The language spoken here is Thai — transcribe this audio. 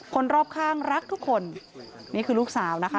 คนรอบข้างรักทุกคนนี่คือลูกสาวนะคะ